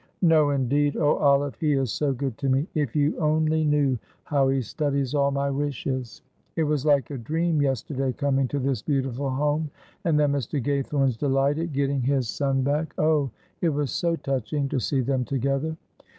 "No, indeed! Oh, Olive, he is so good to me; if you only knew how he studies all my wishes. It was like a dream yesterday coming to this beautiful home. And then Mr. Gaythorne's delight at getting his son back. Oh, it was so touching to see them together.